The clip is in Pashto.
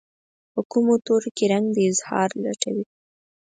په کومو تورو کې رنګ د اظهار لټوي